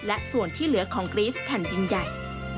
และส่วนที่เหลือของกรี๊สแผ่นดินใหญ่